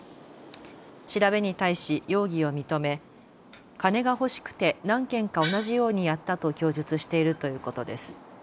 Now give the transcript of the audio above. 調べに対し容疑を認め金が欲しくて何件か同じようにやったと供述しているということです。